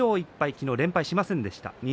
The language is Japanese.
昨日は連敗しませんでした。